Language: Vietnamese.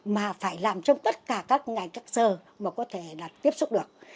mà phải làm trong tất cả các ngày các giờ mà có thể là tiếp xúc được